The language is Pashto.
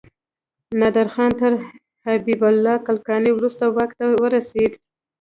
نادر خان تر حبيب الله کلکاني وروسته واک ته ورسيد.